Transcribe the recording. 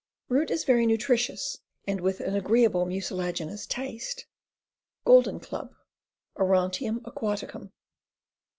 Root is very nutritious, with an agreeable mucilaginous taste. Golden Club. Orontium aquaticum.